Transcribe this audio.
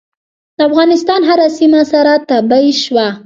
د افغانستان هره سیمه سره تبۍ شوه.